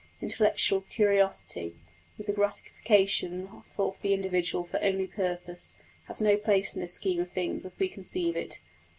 Intellectual curiosity, with the gratification of the individual for only purpose, has no place in this scheme of things as we conceive it.